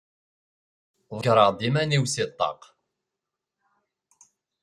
Ḍeggreɣ-d iman-iw si ṭṭaq.